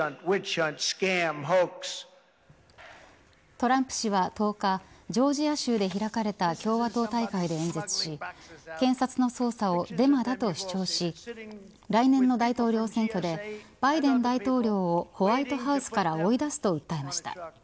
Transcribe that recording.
トランプ氏は１０日ジョージア州で開かれた共和党大会で演説し検察の捜査をデマだと主張し来年の大統領選挙でバイデン大統領をホワイトハウスから追い出すと訴えました。